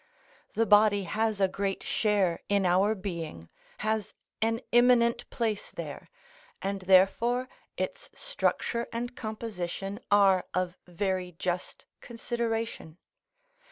The body has a great share in our being, has an eminent place there, and therefore its structure and composition are of very just consideration.